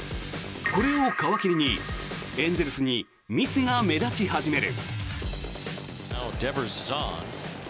これを皮切りにエンゼルスにミスが目立ち始める。